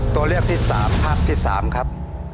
ตัวเลือกที่๓ภาพที่๓ครับ